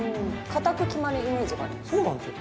堅く決まるイメージがあります。